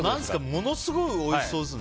ものすごいおいしそうですね。